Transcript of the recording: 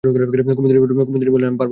কুমুদিনী বললে, আমি পরব না।